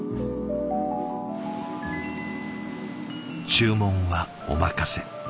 注文はお任せ。